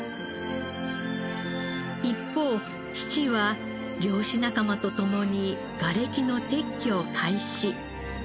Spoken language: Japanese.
一方父は漁師仲間と共に瓦礫の撤去を開始。